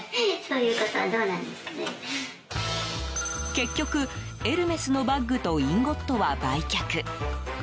結局、エルメスのバッグとインゴットは売却。